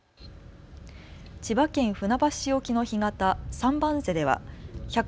千葉県船橋市沖の干潟、三番瀬では１００